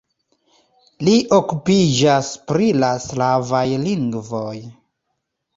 Li okupiĝas pri la slavaj lingvoj.